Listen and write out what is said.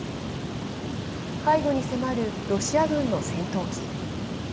背後に迫るロシア軍の戦闘機。